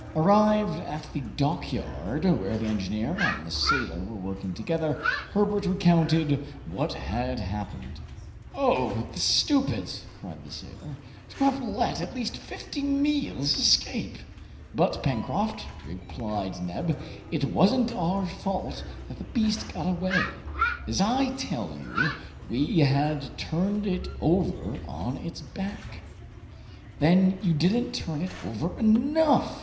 Arrived at the dockyard, where the engineer and the sailor were working together, Herbert recounted what had happened. "Oh! the stupids!" cried the sailor, "to have let at least fifty meals escape!" "But, Pencroft," replied Neb, "it wasn't our fault that the beast got away; as I tell you, we had turned it over on its back!" "Then you didn't turn it over enough!"